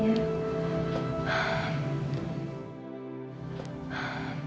terima kasih ma